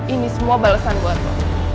ini semua balesan buat lo